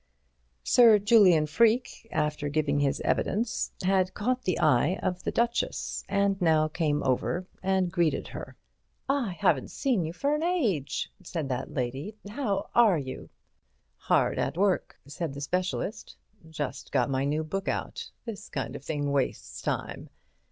Sir Julian Freke, after giving his evidence, had caught the eye of the Duchess, and now came over and greeted her. "I haven't seen you for an age," said that lady. "How are you?" "Hard at work," said the specialist. "Just got my new book out. This kind of thing wastes time.